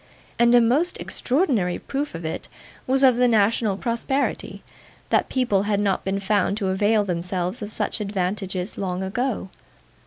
And a most extraordinary proof it was of the national prosperity, that people had not been found to avail themselves of such advantages long ago.